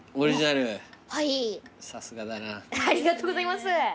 ありがとうございます。